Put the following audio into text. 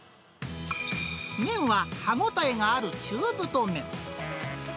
麺は歯応えがある中太麺。